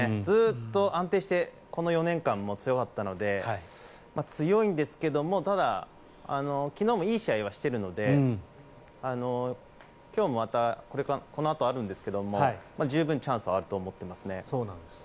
ずっと安定してこの４年間も強かったので強いんですけども、ただ昨日もいい試合はしてるので今日もまたこのあとあるんですけど十分チャンスはあると思ってますね。